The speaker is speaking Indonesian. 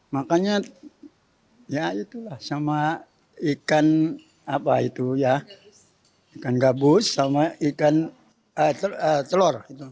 makannya ya itulah sama ikan gabus sama ikan telur